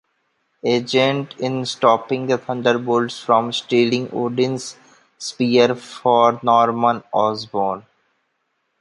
Agent in stopping the Thunderbolts from stealing Odin's spear for Norman Osborn.